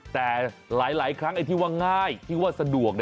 แต่หลายครั้งไอ้ที่ว่าง่ายที่ว่าสะดวก